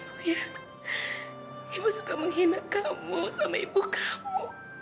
ibu ibu suka menghina kamu sama ibu kamu